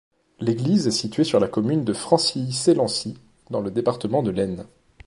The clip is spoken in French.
L'église est située sur la commune de Francilly-Selency, dans le département de l'Aisne.